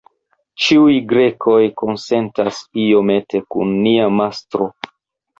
Ĉiuj Grekoj konsentas iomete kun nia mastro.